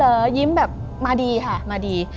ไม่กลัวเหรอยิ้มแบบมาดีค่ะมาดี